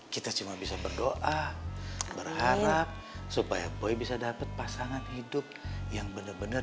kita cuma bisa berdoa berharap supaya boy bisa dapat pasangan hidup yang benar benar